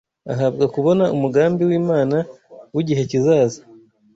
ahabwa kubona umugambi w’Imana w’igihe kizaza